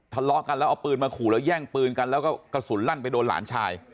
ทะเลาะกันแล้วเอาปืนมาขู่แล้วแย่งปืนกันแล้วก็กระสุนลั่นไปโดนหลานชาย